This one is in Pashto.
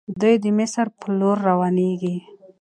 دوی د مصر په لور روانيږي.